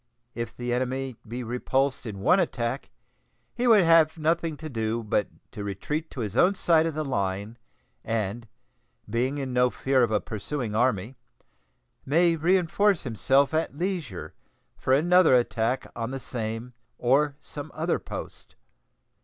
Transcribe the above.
If the enemy be repulsed in one attack, he would have nothing to do but to retreat to his own side of the line, and, being in no fear of a pursuing army, may reenforce himself at leisure for another attack on the same or some other post.